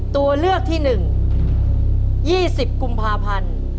ตัวเลือกที่๑๒๐กุมภาพันธ์